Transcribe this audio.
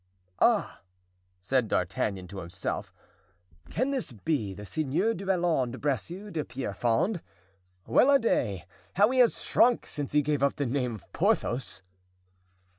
"Ah!" said D'Artagnan to himself, "can this be the Seigneur du Vallon de Bracieux de Pierrefonds? Well a day! how he has shrunk since he gave up the name of Porthos!"